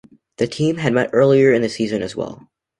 The teams had met earlier in the season as well.